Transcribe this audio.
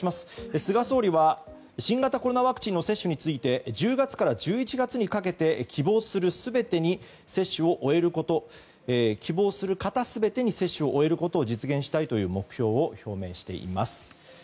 菅総理は、新型コロナワクチンの接種について１０月から１１月にかけて希望する全ての方に接種を終えること希望する方全てに接種を終えることを実現したいと目標を表明しています。